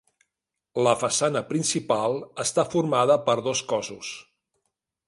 La façana principal està formada per dos cossos.